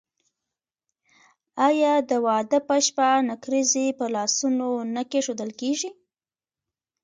آیا د واده په شپه نکریزې په لاسونو نه کیښودل کیږي؟